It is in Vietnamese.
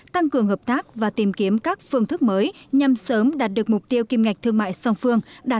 tăng cường hợp tác và tìm kiếm các phương thức mới nhằm sớm đạt được mục tiêu kim ngạch thương mại song phương đạt một tỷ đô la mỹ